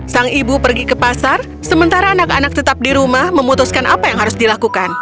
sang ibu pergi ke pasar sementara anak anak tetap di rumah memutuskan apa yang harus dilakukan